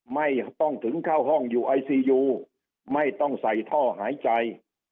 ไม่ต้องถึงเข้าห้องอยู่ไอซียูไม่ต้องใส่ท่อหายใจ